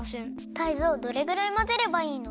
タイゾウどれぐらいまぜればいいの？